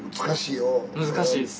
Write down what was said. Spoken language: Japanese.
難しいです。